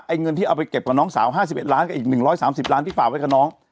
ไอ้เงินที่เอาไปเก็บต่อน้องสาวห้าสิบเอ็ดล้านก็อีกหนึ่งร้อยสามสิบล้านที่ฝ่าไว้กับน้อง